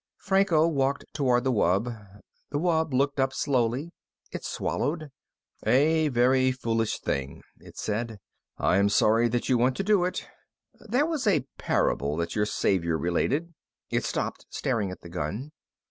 Franco walked toward the wub. The wub looked up slowly. It swallowed. "A very foolish thing," it said. "I am sorry that you want to do it. There was a parable that your Saviour related " It stopped, staring at the gun.